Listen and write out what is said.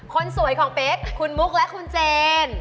คนสวยของเป๊กคุณมุกและคุณเจน